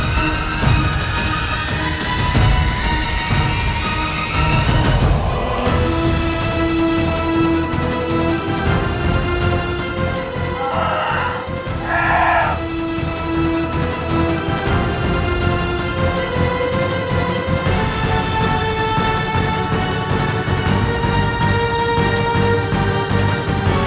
k offspring padamu